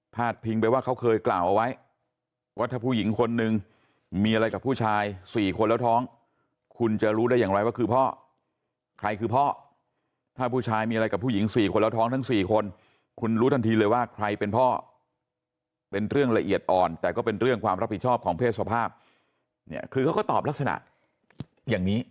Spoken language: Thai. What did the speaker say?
พิงไปว่าเขาเคยกล่าวเอาไว้ว่าถ้าผู้หญิงคนนึงมีอะไรกับผู้ชาย๔คนแล้วท้องคุณจะรู้ได้อย่างไรว่าคือพ่อใครคือพ่อถ้าผู้ชายมีอะไรกับผู้หญิง๔คนแล้วท้องทั้ง๔คนคุณรู้ทันทีเลยว่าใครเป็นพ่อเป็นเรื่องละเอียดอ่อนแต่ก็เป็นเรื่องความรับผิดชอบของเพศสภาพเนี่ยคือเขาก็ตอบลักษณะอย่างนี้